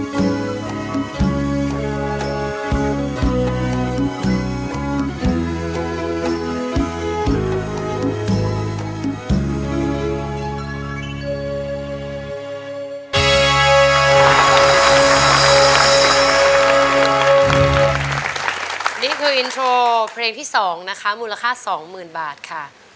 นี่คืออินโทรเพลงที่๒นะคะมูลค่า๒๐๐๐บาทค่ะ